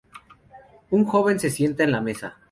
Un joven se sienta a la mesa.